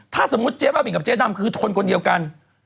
ถ้าสมมุติเจ๊บ้าบินกับเจ๊ดำคือทนคนเดียวกัน